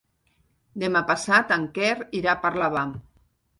Demà passat en Quer irà a Parlavà.